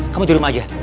kamu tidur di rumah aja